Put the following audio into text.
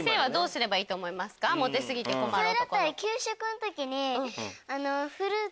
モテ過ぎて困る男の子。